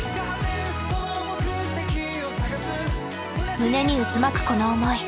胸に渦巻くこの思い。